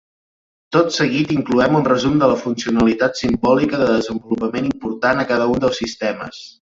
Tot seguit incloem un resum de la funcionalitat "simbòlica" de desenvolupament important a cada un dels sistemes.